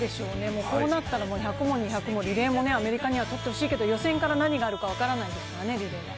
こうなったら、１００も２００もリレーもアメリカにはとってほしいけど予選から何があるか分からないですからね、リレーは。